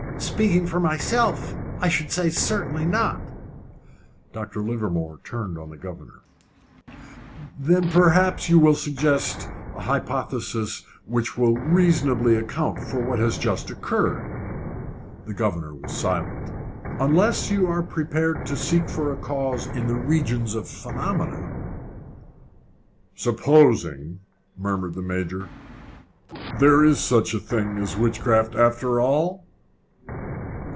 "Speaking for myself, I should say certainly not." Dr. Livermore turned on the governor. "Then perhaps you will suggest a hypothesis which will reasonably account for what has just occurred." The governor was silent. "Unless you are prepared to seek for a cause in the regions of phenomena." "Supposing," murmured the Major, "there is such a thing as witchcraft after all?"